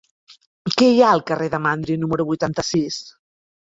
Què hi ha al carrer de Mandri número vuitanta-sis?